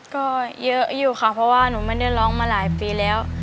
ก็เยอะอยู่ค่ะเพราะว่าหนูไม่ได้ร้องมาหลายปีแล้ว